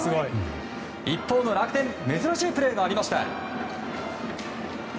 一方の楽天珍しいプレーがありました。